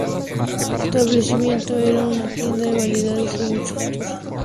El establecimiento era una tienda de variedades sin mucho futuro.